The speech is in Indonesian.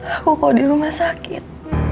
aku kalau di rumah sakit